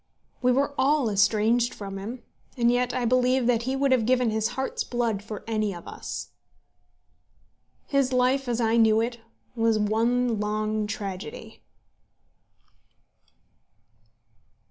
We were all estranged from him, and yet I believe that he would have given his heart's blood for any of us. His life as I knew it was one long tragedy.